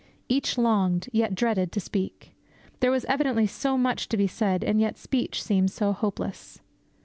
Each longed, yet dreaded, to speak. There was evidently so much to be said, and yet speech seemed so hopeless.